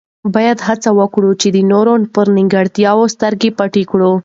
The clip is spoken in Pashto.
باید هڅه وکړو چې د نورو په نیمګړتیاوو سترګې پټې کړو.